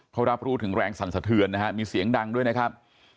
เขารับรู้ถึงแรงสั่นสะเทือนนะฮะมีเสียงดังด้วยนะครับ